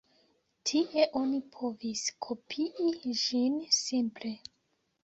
Tie oni povis kopii ĝin simple.